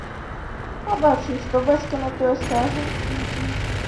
Пабачым, што бацька на тое скажа?